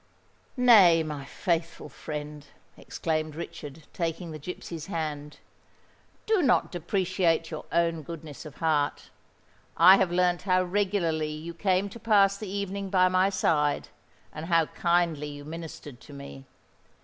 "Nay, my faithful friend," exclaimed Richard, taking the gipsy's hand, "do not depreciate your own goodness of heart. I have learnt how regularly you came to pass the evening by my side, and how kindly you ministered to me.